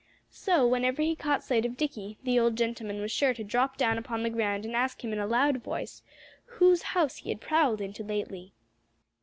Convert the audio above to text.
So whenever he caught sight of Dickie the old gentleman was sure to drop down upon the ground and ask him in a loud voice whose house he had prowled into lately.